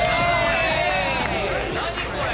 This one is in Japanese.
・何これ？